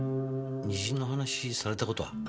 虹の話された事は？